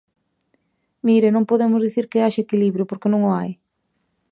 Mire, non podemos dicir que haxa equilibrio, porque non o hai.